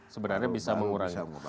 sebenarnya bisa mengurangi